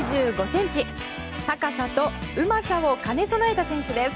高さとうまさを兼ね備えた選手です。